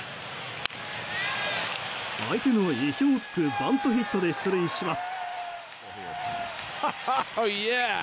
相手の意表を突くバントヒットで出塁します。